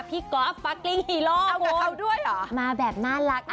พี่ก๊อฟฟักลิ้งฮีโรคโหมาแบบน่ารักอันนี้เลยเอากับเขาด้วยเหรอ